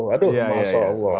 aduh masya allah